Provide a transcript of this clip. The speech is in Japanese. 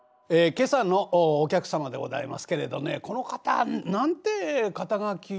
今朝のお客様でございますけれどねこの方何て肩書。